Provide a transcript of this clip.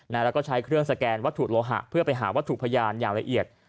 แล้วก็ใช้เครื่องสแกนวัตถุโลหะเพื่อไปหาวัตถุพยานอย่างละเอียด